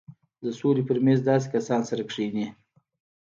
د سولې پر مېز داسې کسان سره کښېني.